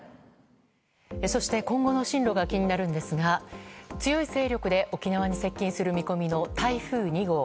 そして、今後の進路が気になるんですが強い勢力で沖縄に接近する見込みの台風２号。